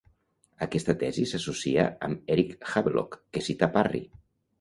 Aquesta tesi s'associa amb Eric Havelock, que cita Parry.